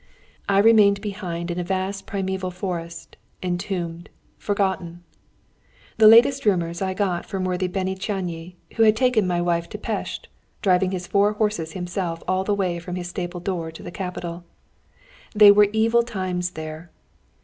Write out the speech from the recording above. I remained behind in a vast primeval forest, entombed, forgotten. The latest rumours I got from worthy Béni Csányi, who had taken my wife to Pest, driving his four horses himself all the way from his stable door to the capital. They were evil times there.